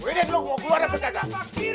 muhyiddin lo mau keluar dari pedagang